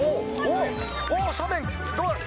おっ、斜面、どうだ？